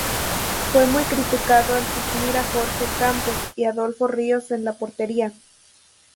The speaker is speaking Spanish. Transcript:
Fue muy criticado al suplir a Jorge Campos y Adolfo Ríos en la portería.